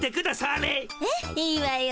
いいわよ。